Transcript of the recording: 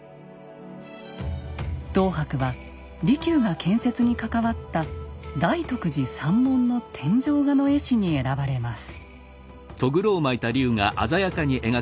等伯は利休が建設に関わった大徳寺三門の天井画の絵師に選ばれます。